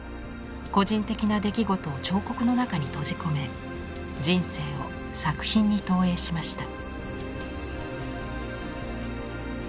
個人的な出来事を彫刻の中に閉じ込め人生を作品に投影しました。